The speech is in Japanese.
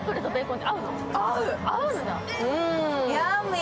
合う！